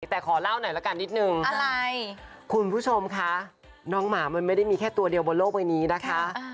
แต่ขอเล่าหน่อยละกันนิดนึงอะไรคุณผู้ชมคะน้องหมามันไม่ได้มีแค่ตัวเดียวบนโลกใบนี้นะคะ